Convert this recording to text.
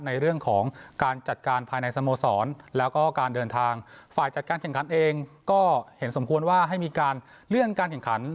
ในเรื่องของการจัดการภายในสโมสรแล้วก็การเดินทางฝ่ายจัดการแข่งขันเองก็เห็นสมควรว่าให้มีการเลื่อนการแข่งขัน